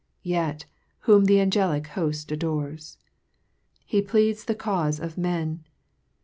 Yet, whom th' angelic hoft adores. He pleads the caufe of men!